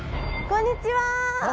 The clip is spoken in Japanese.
こんにちは。